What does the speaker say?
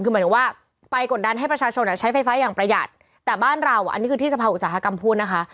คือหมายถึงว่าไปกดดันให้ประชาชนใช้ไฟฟ้าอย่างประหยัดแต่บ้านเราอันนี้คือที่สภาอุตสาหกรรมพูดนะคะ